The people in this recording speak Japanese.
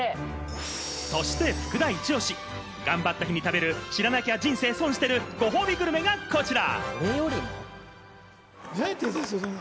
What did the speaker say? そして福田イチオシ、頑張った日に食べる、知らなきゃ人生損してるご褒美グルメがこちら。